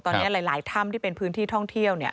ตอนนี้หลายถ้ำที่เป็นพื้นที่ท่องเที่ยวเนี่ย